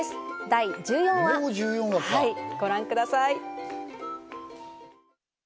第１４話、ご覧ください。